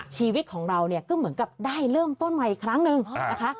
ชีวิตของเราเนี่ยก็เหมือนกับได้เริ่มต้นใหม่อีกครั้งหนึ่งนะคะ